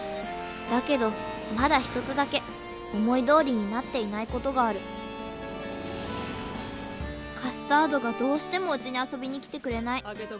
だけどまだ１つだけ思いどおりになっていないことがあるカスタードがどうしてもうちに遊びに来てくれない。